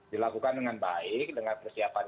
dilakukan dengan baik dengan persiapan